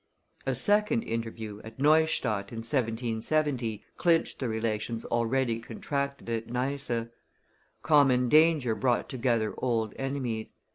A second interview, at Neustadt in 1770, clinched the relations already contracted at Neisse. Common danger brought together old enemies.